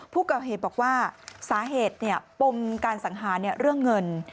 ผู้ก่อเหตุบอกว่าสาเหตุปมการสังหารเรื่องเงิน